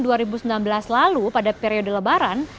tahun dua ribu sembilan belas lalu pada periode lebaran